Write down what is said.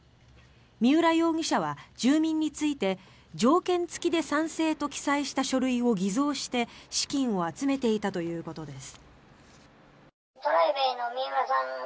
三浦容疑者は住民について条件付きで賛成と記載した書類を偽造して、資金を集めていたということです。